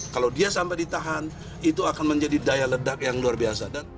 kalau dia sampai ditahan itu akan menjadi daya ledak yang luar biasa